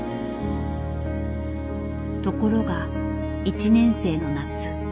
ところが１年生の夏。